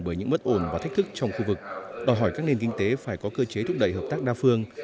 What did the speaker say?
bởi những bất ổn và thách thức trong khu vực đòi hỏi các nền kinh tế phải có cơ chế thúc đẩy hợp tác đa phương